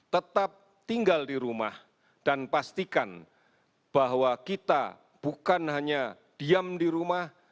tetap tinggal di rumah dan pastikan bahwa kita bukan hanya diam di rumah